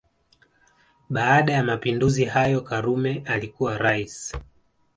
Baada ya Mapinduzi hayo karume alikuwa Rais